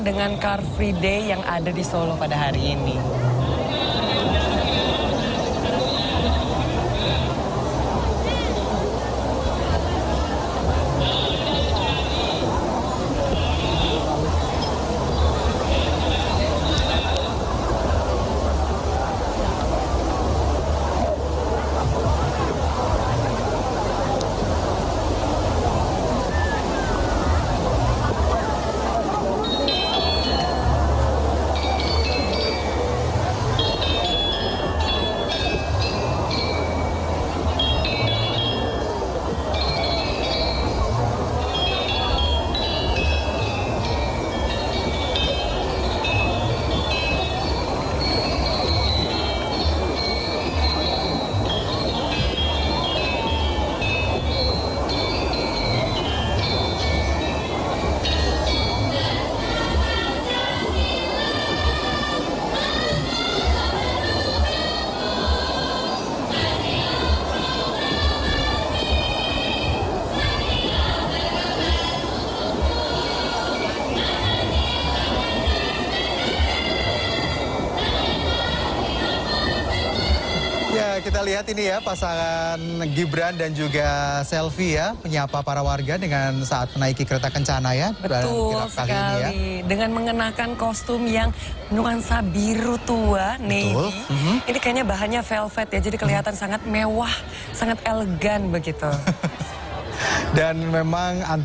menkirap ini ini tidak ada penutupan jalan ya sebenarnya